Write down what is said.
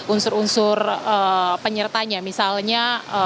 unsur unsur penyertanya misalnya